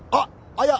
あっいや。